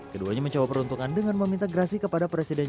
keduanya mencoba peruntungan dengan meminta grasi kepada presiden